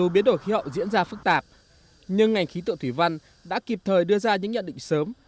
dù biến đổi khí hậu diễn ra phức tạp nhưng ngành khí tượng thủy văn đã kịp thời đưa ra những nhận định sớm